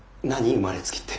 生まれつきって。